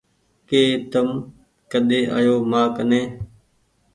ڪه تم ڪۮي آيو مآ ڪني